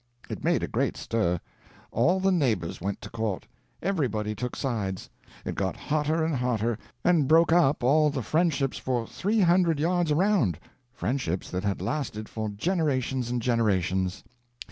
It made a great stir. All the neighbors went to court. Everybody took sides. It got hotter and hotter, and broke up all the friendships for three hundred yards around friendships that had lasted for generations and generations.